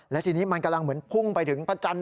และทีนี้มันกำลังเหมือนพุ่งไปถึงพระจันทร์